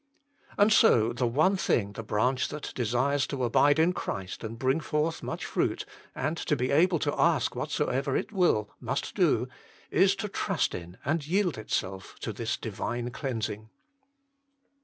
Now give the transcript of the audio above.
And so the one thing the branch that desires to abide in Christ and bring forth much fruit, and to be able to ask whatsoever it will, must do, is to trust in and yield itself to this Divine cleansing.